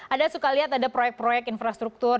anda suka lihat ada proyek proyek infrastruktur